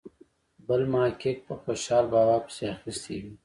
بل محقق په خوشال بابا پسې اخیستې وي.